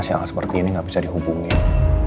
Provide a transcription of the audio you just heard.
siang seperti ini gak bisa dihubungin